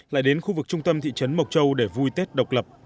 lại đến khu vực trung tâm thị trấn mộc châu để vui tết độc lập